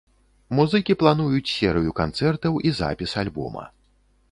Музыкі плануюць серыю канцэртаў і запіс альбома.